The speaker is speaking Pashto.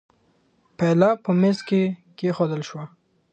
پیاله په مېز کې کېښودل شوه.